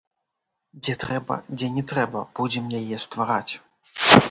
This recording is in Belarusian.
Дзе трэба, дзе не трэба, будзем яе ствараць.